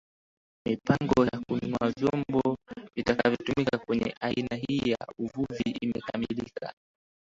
Mipango ya kununua vyombo vitakavyotumika kwenye aina hii ya uvuvi imekamilika